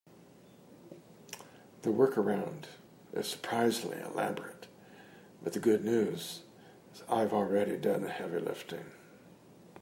The workaround is surprisingly elaborate, but the good news is I've already done the heavy lifting.